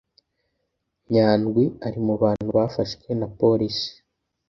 Nyandwi ari mu bantu bafashwe n’abopolisi